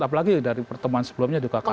apalagi dari pertemuan sebelumnya juga kemarin